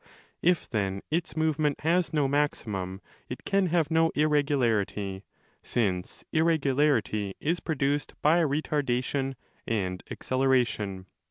If then its movement.has no maximum, it can have no irregularity, since irregularity is produced by re tardation and acceleration.